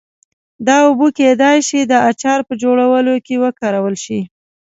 دا اوبه کېدای شي د اچار په جوړولو کې وکارول شي.